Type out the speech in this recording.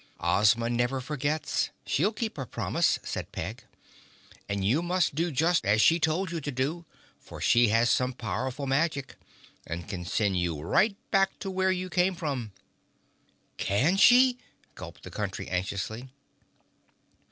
"Ozma never forgets. She'll keep her promise," said Peg. "And you must do just as she told you to do for she has some powerful magic and can send you right back to where you came from." "Can she?" gulped the Country anxiously.